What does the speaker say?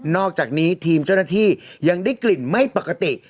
อกจากนี้ทีมเจ้าหน้าที่ยังได้กลิ่นไม่ปกติ